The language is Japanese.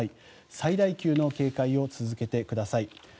最大級の警戒を続けてください。